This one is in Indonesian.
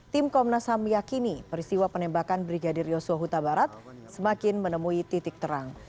tim komnas ham yakini peristiwa penembakan brigadir yosua huta barat semakin menemui titik terang